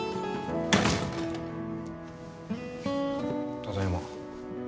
ただいま。